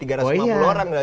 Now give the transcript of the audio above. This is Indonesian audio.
tiga ratus lima puluh orang